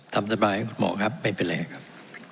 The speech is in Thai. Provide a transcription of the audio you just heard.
ทำสบายคุณหมอครับไม่เป็นไรครับ